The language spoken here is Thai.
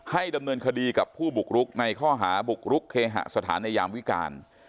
ดำเนินคดีกับผู้บุกรุกในข้อหาบุกรุกเคหสถานในยามวิการ